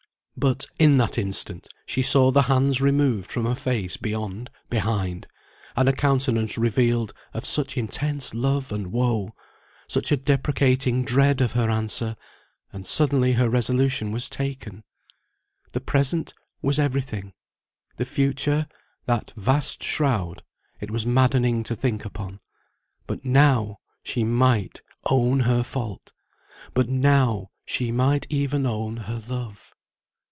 But, in that instant, she saw the hands removed from a face beyond, behind; and a countenance revealed of such intense love and woe, such a deprecating dread of her answer; and suddenly her resolution was taken. The present was everything; the future, that vast shroud, it was maddening to think upon; but now she might own her fault, but now she might even own her love.